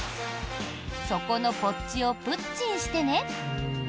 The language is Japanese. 「底のポッチをプッチンしてね」。